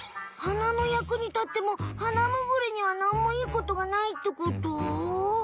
はなのやくにたってもハナムグリにはなんもいいことがないってこと？